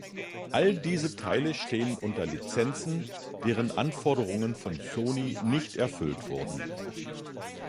All diese Teile stehen unter Lizenzen, deren Anforderungen von Sony nicht erfüllt wurden.